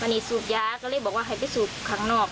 อันนี้สูบยาก็เลยบอกว่าให้ไปสูบข้างนอก